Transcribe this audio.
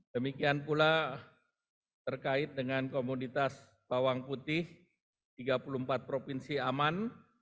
demikian pula terkait dengan komoditas bawang putih tiga puluh empat provinsi aman